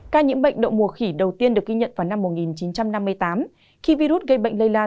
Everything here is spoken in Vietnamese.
ca nhiễm bệnh đậu mùa khỉ đầu tiên được ghi nhận vào năm một nghìn chín trăm năm mươi tám khi virus gây bệnh lây lan